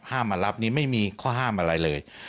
มารับนี่ไม่มีข้อห้ามอะไรเลย